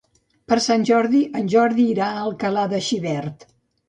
Per Sant Jordi en Jordi irà a Alcalà de Xivert.